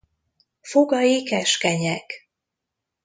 Fogai keskenyek.